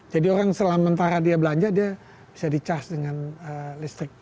jadi orang selama mentara dia belanja dia bisa di charge dengan listrik